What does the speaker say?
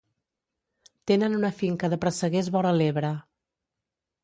Tenen una finca de presseguers vora l'Ebre.